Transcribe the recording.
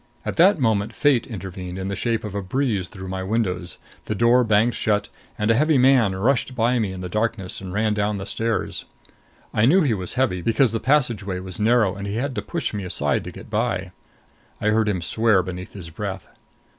At that moment Fate intervened in the shape of a breeze through my windows, the door banged shut, and a heavy man rushed by me in the darkness and ran down the stairs. I knew he was heavy, because the passageway was narrow and he had to push me aside to get by. I heard him swear beneath his breath.